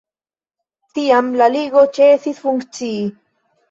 Tiam la ligo ĉesis funkcii.